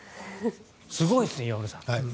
すごいですね、岩村さん。